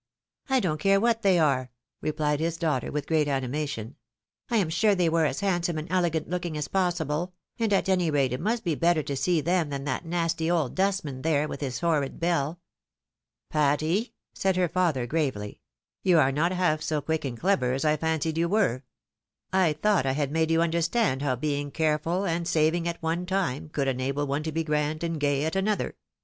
I don't care what they were," replied his daughter, with great animation ; "I am sure they were as handsome and elegant looking as possible ; and at any rate it must be better to see them than that nasty old dustman there, with his horrid bell." "Patty!" said her father, gravely, "you are not half so quick and clever as I fancied you were. I thought I had made you understand how being careful and saving at one time, could enable one to be grand and gay at another. 206 THE WIDOW MARRIED.